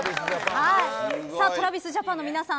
ＴｒａｖｉｓＪａｐａｎの皆さん